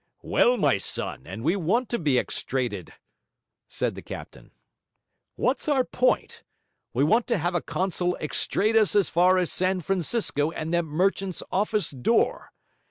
'Well, my son, and we want to be extraded,' said the captain. 'What's our point? We want to have a consul extrade us as far as San Francisco and that merchant's office door.